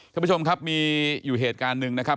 ท่านผู้ชมครับมีอยู่เหตุการณ์หนึ่งนะครับ